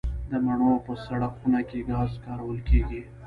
د مڼو په سړه خونه کې ګاز کارول کیږي؟